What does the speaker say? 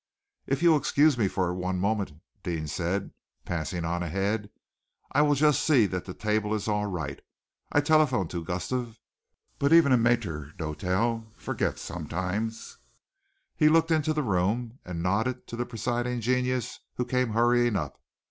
"If you will excuse me for one moment," Deane said, passing on ahead, "I will just see that the table is all right. I telephoned to Gustave, but even a maître d'hôtel forgets sometimes." He looked into the room, and nodded to the presiding genius who came hurrying up.